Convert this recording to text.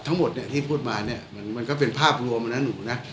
ทั้งหมดเนี่ยที่พูดมาเนี่ยมันก็เป็นภาพรวมนะหนูนะ